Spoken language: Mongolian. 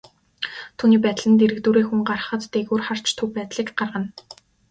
Түүний байдал нь дэргэдүүрээ хүн гарахад, дээгүүр харж төв байдлыг гаргана.